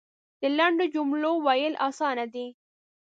د لنډو جملو ویل اسانه دی .